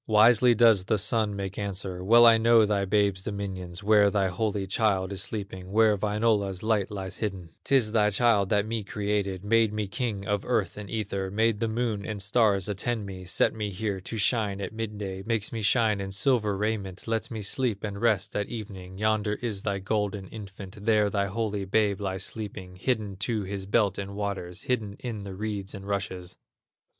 Wisely does the Sun make answer: "Well I know thy babe's dominions, Where thy holy child is sleeping, Where Wainola's light lies hidden; 'Tis thy child that me created, Made me king of earth and ether, Made the Moon and Stars attend me, Set me here to shine at midday, Makes me shine in silver raiment, Lets me sleep and rest at evening; Yonder is thy golden infant, There thy holy babe lies sleeping, Hidden to his belt in water, Hidden in the reeds and rushes."